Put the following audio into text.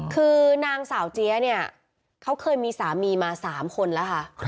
คือนางสาวเจี๊ยเนี่ยเขาเคยมีสามีมา๓คนแล้วค่ะ